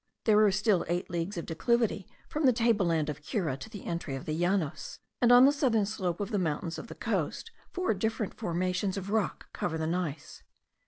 There are still eight leagues of declivity from the table land of Cura to the entry of the Llanos; and on the southern slope of the mountains of the coast, four different formations of rock cover the gneiss.